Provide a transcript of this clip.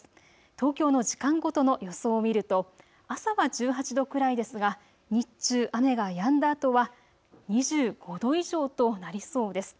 東京の時間ごとの予想を見ると朝は１８度くらいですが日中、雨がやんだあとは２５度以上となりそうです。